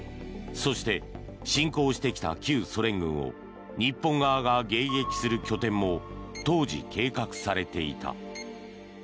そして、侵攻してきた旧ソ連軍を日本側が迎撃する拠点も当時、計画されていた。